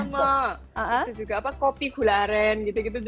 sama itu juga apa kopi gularen